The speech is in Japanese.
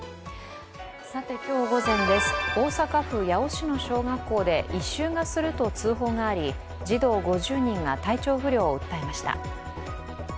今日午前です、大阪府八尾市の小学校で異臭がすると通報があり児童５０人が体調不良を訴えました。